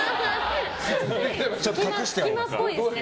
ちょっと隠してあります。